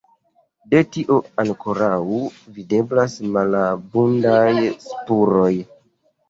De tio ankoraŭ videblas malabundaj spuroj.